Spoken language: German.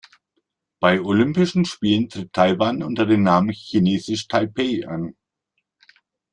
Bei den Olympischen Spielen tritt Taiwan unter dem Namen „Chinesisch Taipeh“ an.